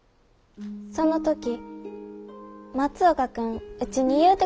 その時松岡君ウチに言うてくれてん。